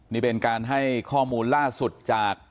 นี่เป็นการให้ข้อมูลล่าสุดจาก